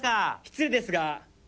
「失礼ですが」